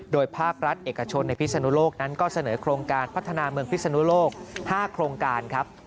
โดยภาครัฐเอกชนในพิศนุโลกนั้นก็เสนอโครงการพัฒนาเมืองพิศนุโลก๕โครงการครับ